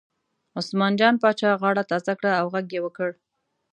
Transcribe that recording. عثمان جان پاچا غاړه تازه کړه او غږ یې وکړ.